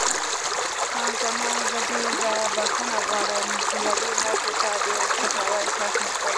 خان زمان: زه ډېره بښنه غواړم، یوې نرسې ته د سپکاوي احساس مې وکړ.